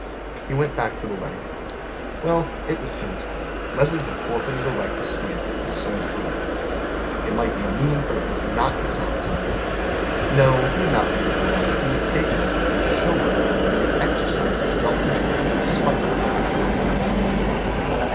He went back to the letter. Well, it was his. Leslie had forfeited her right to see it as soon as he. It might be mean, but it was not dishonest. No, he would not read it now, but he would take it out and show her that he had exercised his self control in spite of her shortcomings.